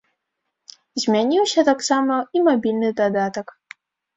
Змяніўся таксама і мабільны дадатак.